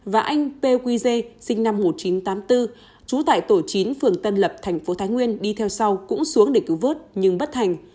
và anh pu dê sinh năm một nghìn chín trăm tám mươi bốn trú tại tổ chín phường tân lập thành phố thái nguyên đi theo sau cũng xuống để cứu vớt nhưng bất thành